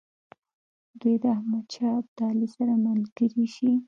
دوی د احمدشاه ابدالي سره ملګري شي.